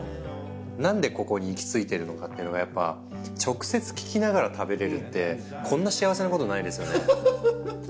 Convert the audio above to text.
何でここに行き着いてるのかっていうのがやっぱ直接聞きながら食べれるってこんな幸せなことないですよね。